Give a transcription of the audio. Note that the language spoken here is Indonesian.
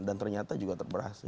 dan ternyata juga terberhasil